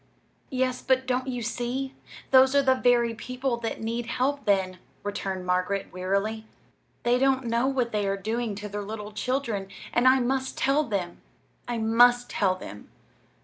"Yes; but don't you see? those are the very people that need help, then," returned Margaret, wearily. "They don't know what they are doing to their little children, and I must tell them. I must tell them.